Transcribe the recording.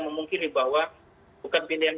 memungkiri bahwa bukan pilihan